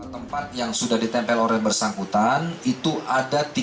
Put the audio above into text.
tempat yang sudah ditempel orang yang bersangkutan itu ada tiga puluh delapan titik